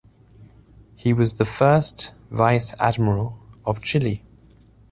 He was the first Vice Admiral of Chile.